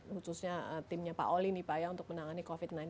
khususnya timnya pak oli nipaya untuk menangani covid sembilan belas